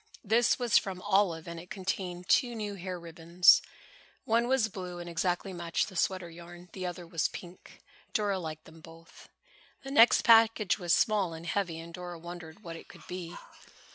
This was from Olive and it contained two new hair ribbons. One was blue and exactly matched the sweater yarn. The other was pink. Dora liked them both. The next package was small and heavy and Dora wondered what it could be.